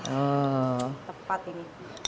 oh tepat ini